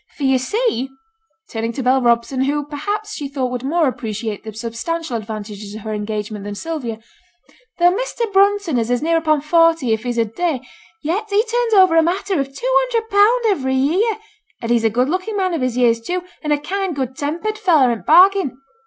For yo' see,' (turning to Bell Robson, who, perhaps, she thought would more appreciate the substantial advantages of her engagement than Sylvia,) 'though Measter Brunton is near upon forty if he's a day, yet he turns over a matter of two hundred pound every year; an he's a good looking man of his years too, an' a kind, good tempered feller int' t' bargain.